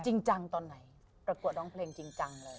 จริงจังตอนไหนประกวดร้องเพลงจริงจังเลย